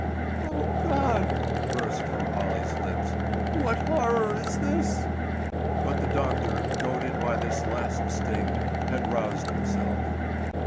"O God!" burst from Polly's lips; "what horror is this?" But the doctor, goaded by this last sting, had roused himself.